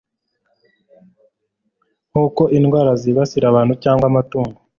nk'uko indwara zibasira abantu cyangwa amatungo